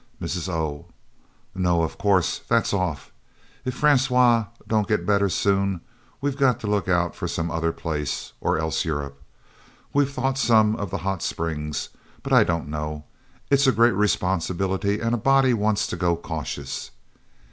Mrs. O. "No, of course that's off. If Francois don't get better soon we've got to look out for some other place, or else Europe. We've thought some of the Hot Springs, but I don't know. It's a great responsibility and a body wants to go cautious.